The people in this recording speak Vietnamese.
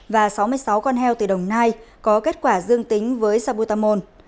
và sáu mươi sáu con heo từ đồng nai có kết quả dương tính với sabutamol